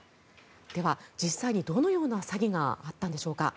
では、実際にどのような詐欺があったんでしょうか。